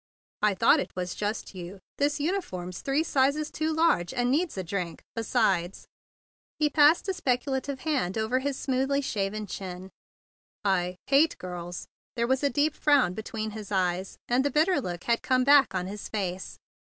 "I thought it was just you. This uni¬ form's three sizes too large, and needs a drink. Besides," he passed a specu¬ lative hand over his smoothly shaven chin, "I—don't care for girls!" There was a deep frown between his eyes, and the bitter look had come back on his face.